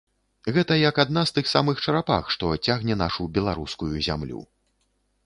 Гэта як адна з тых самых чарапах, што цягне нашу беларускую зямлю.